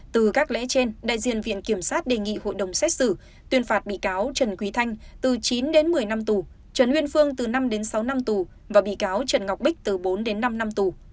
từ các lễ trên đại diện viện kiểm sát đề nghị hội đồng xét xử tuyên phạt bị cáo trần quý thanh từ chín đến một mươi năm tù trần uyên phương từ năm đến sáu năm tù và bị cáo trần ngọc bích từ bốn đến năm năm tù